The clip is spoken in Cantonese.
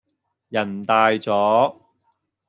人大咗